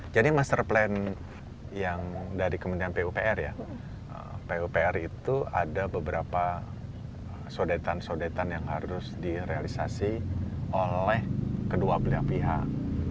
jadi master plan yang dari kementerian pupr ya pupr itu ada beberapa sodetan sodetan yang harus direalisasi oleh kedua belia pihak